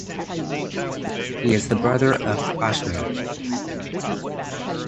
He is the brother of Ashnan.